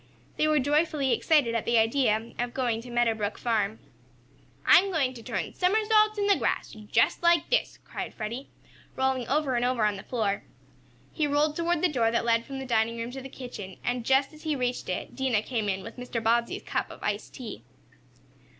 They were joyfully excited at the idea of going to Meadow Brook farm. "I'm going to turn somersaults in the grass just like this," cried Freddie, rolling over and over on the floor. He rolled toward the door that led from the dining room to the kitchen, and, just as he reached it, Dinah came in with Mr. Bobbsey's cup of iced tea.